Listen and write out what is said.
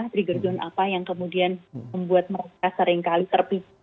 trigger zone apa yang kemudian membuat mereka seringkali terpisah